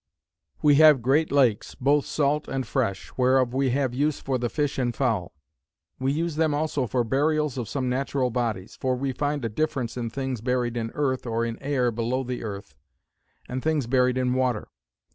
"We have great lakes, both salt, and fresh; whereof we have use for the fish and fowl. We use them also for burials of some natural bodies: for we find a difference in things buried in earth or in air below the earth, and things buried in water.